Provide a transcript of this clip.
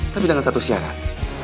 tapi dengan satu syarat